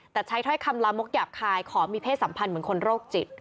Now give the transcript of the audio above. แต่ใช้ถ้อยคำลามกหยาบคายขอมีเพศสัมพันธ์เหมือนคนโรคจิต